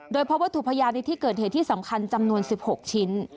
โดยพบวัตถุพยานในที่เกิดเหตุที่สำคัญจำนวน๑๖ชิ้น